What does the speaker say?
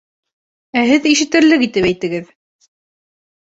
— Ә һеҙ ишетелерлек итеп әйтегеҙ!